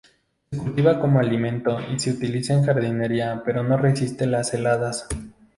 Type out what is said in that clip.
Se cultiva como alimento y se utiliza en jardinería pero no resiste las heladas.